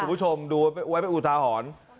คุณผู้ชมดูไว้เป็นอุทาหรณ์